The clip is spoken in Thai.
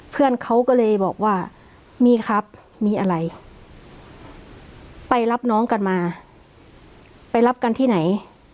เพื่อนเขาก็เลยบอกว่ามีครับมีอะไรไปรับน้องกันมาไปรับกันที่ไหน